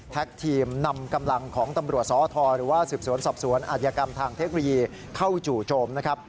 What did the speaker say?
ทีมนำกำลังของตำรวจสอทรหรือว่าสืบสวนสอบสวนอัธยกรรมทางเทคโนโลยีเข้าจู่โจมนะครับ